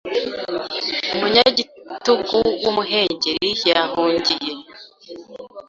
Umunyagitugu wumuhengeri yahungiye